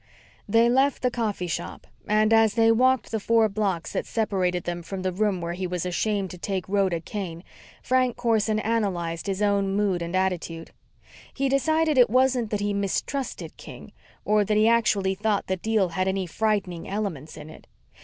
They left the coffee shop and, as they walked the four blocks that separated them from the room where he was ashamed to take Rhoda Kane, Frank Corson analyzed his own mood and attitude. He decided it wasn't that he mistrusted King, or that he actually thought the deal had any frightening elements in it.